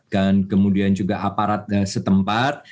dan kemudian juga aparatnya setempat